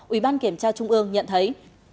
ủy ban kiểm tra trung ương nhận thấy